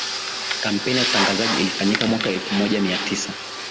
kampeini ya utangazaji ilifanyika mwaka elfu moja mia tisa